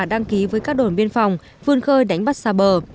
đăng ký với các đồn biên phòng vươn khơi đánh bắt xa bờ